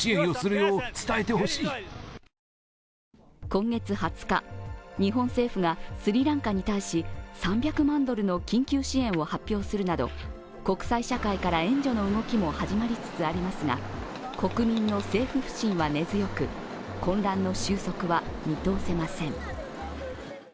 今月２０日、日本政府がスリランカに対し３００万ドルの緊急支援を発表するなど国際社会から援助の動きも始まりつつありますが、国民の政府不信は根強く混乱の収束は見通せません。